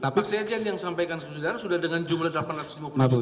tapi sekjen yang sampaikan saudara sudah dengan jumlah delapan ratus lima puluh juta